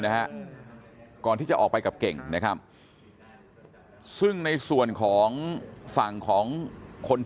นะฮะก่อนที่จะออกไปกับเก่งนะครับซึ่งในส่วนของฝั่งของคนที่